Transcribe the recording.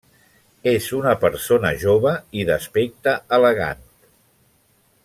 És una persona jove i d'aspecte elegant.